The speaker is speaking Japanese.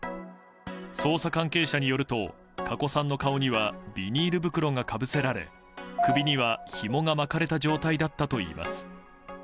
捜査関係者によると加古さんの顔にはビニール袋がかぶせられ首には、ひもが巻かれた状態だったといいます。